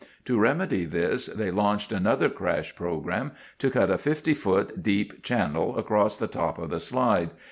To remedy this, they launched another crash program to cut a 50 foot deep channel across the top of the slide.